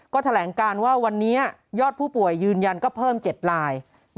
ก็แถลงการว่าวันนี้ยอดผู้ป่วยยืนยันก็เพิ่ม๗ลาย